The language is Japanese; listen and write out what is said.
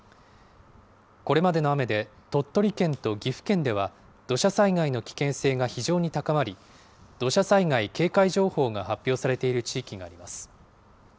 これまでの雨で鳥取県と岐阜県では、土砂災害の危険性が非常に高まり、土砂災害警戒情報が発表されている地域があります。